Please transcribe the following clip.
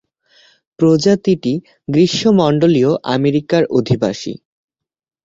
প্রজাতিটি গ্রীষ্মমন্ডলীয় আমেরিকার অধিবাসী।